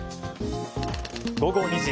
午後２時。